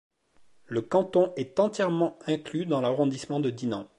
Le canton est entièrement inclus dans l'arrondissement de Dinan.